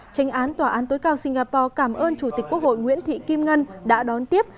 tranh án tòa án tối cao singapore cảm ơn chủ tịch quốc hội nguyễn thị kim ngân đã đón tiếp